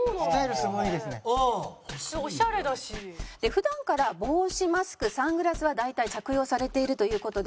普段から帽子マスクサングラスは大体着用されているという事で。